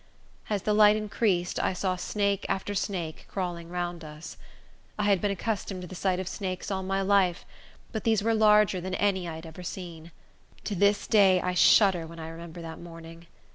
As the light increased, I saw snake after snake crawling round us. I had been accustomed to the sight of snakes all my life, but these were larger than any I had ever seen. To this day I shudder when I remember that morning.